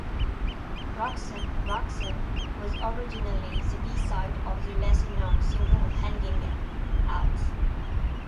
"Roxanne, Roxanne" was originally the B-side of the lesser-known single "Hangin' Out.